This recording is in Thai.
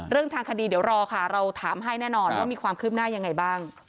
เราถามให้แน่นอนว่ามีความคืบหน้ายังไงบ้าง